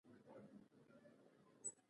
ځبيښلي